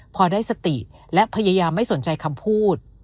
พอได้สติและพยายามไม่สนใจคำพูด